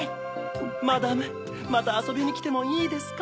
マダムまたあそびにきてもいいですか？